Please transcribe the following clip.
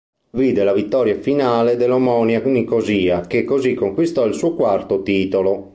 Vide la vittoria finale dell'Omonia Nicosia, che così conquistò il suo quarto titolo.